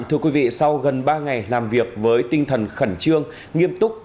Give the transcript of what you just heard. thưa quý vị sau gần ba ngày làm việc với tinh thần khẩn trương nghiêm túc